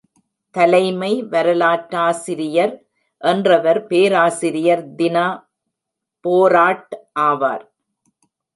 தலைமை வரலாற்றாசிரியர் என்றவர் பேராசிரியர் தினா போராட் ஆவார்.